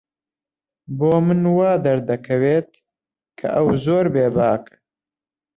بۆ من وا دەردەکەوێت کە ئەو زۆر بێباکە.